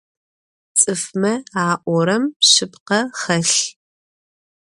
Ts'ıfme a'orem şsıpkhe xhelh.